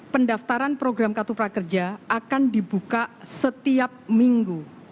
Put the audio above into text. pendaftaran program kartu prakerja akan dibuka setiap minggu